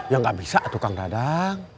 ya gak bisa tuh kang dadang